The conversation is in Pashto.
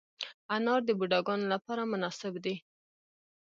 انار د بوډاګانو لپاره مناسب دی.